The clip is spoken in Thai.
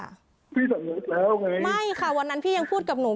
พี่สำนึกแล้วไงไม่ค่ะวันนั้นพี่ยังพูดกับหนู